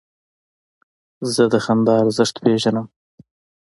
زه د خندا ارزښت پېژنم.